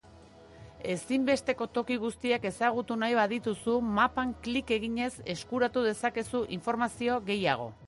Ezinbesteko toki guztiak ezagutu nahi badituzu, mapan klik eginez eskuratu dezakezu informazio gehiago.